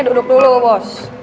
duduk dulu bos